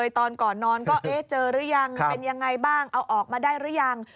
ตอนก่อนนอนก็เอ๊ะเจอหรือยังเป็นยังไงบ้างเอาออกมาได้หรือยัง